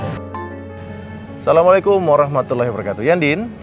assalamualaikum warahmatullahi wabarakatuh yandin